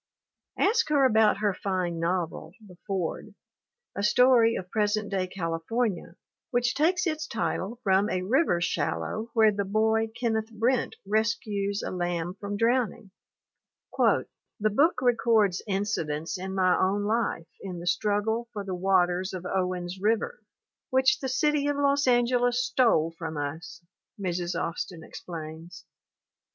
Ask her about her fine novel The Ford, a story of present day California which takes its title from a river shallow where the boy Kenneth Brent rescues a lamb from drowning : "The book records incidents in my own life in the struggle for the waters of Owens River which the city of Los Angeles stole from us," Mrs. Austin ex plains.